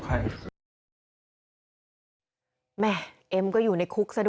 คนเดียวไม่ยุ่งกับใคร